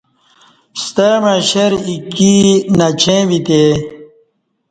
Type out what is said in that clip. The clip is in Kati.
ستمع شیر ایکی نچیں ویتے